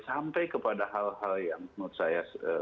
sampai kepada hal hal yang menurut saya